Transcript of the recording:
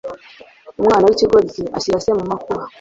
Umwana w’ikigoryi ashyira se mu makuba